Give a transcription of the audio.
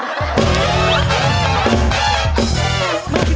อันนี้คือคุณพ่อ